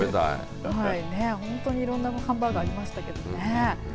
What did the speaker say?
本当にいろんなハンバーガーありましたけどね。